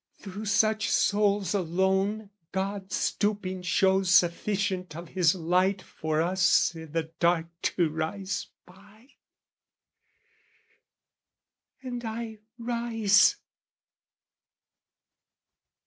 Through such souls alone God stooping shows sufficient of His light For us i' the dark to rise by. And I rise.